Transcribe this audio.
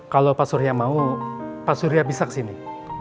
kalau pak surya mau pak surya bisa ke sini